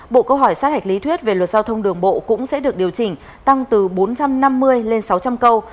bộ câu hỏi sát hạch lý thuyết về luật giao thông đường bộ cũng sẽ được điều chỉnh tăng từ bốn trăm năm mươi lên sáu trăm linh câu